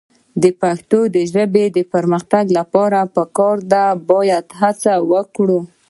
د پښتو ژبې د پرمختګ لپاره ټول باید هڅه وکړو.